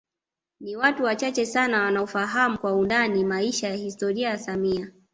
Ni watu wachache sana wanaofahamu kwa undani maisha na historia ya samia